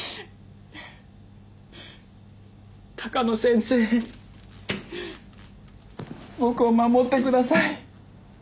鷹野先生僕を守ってください。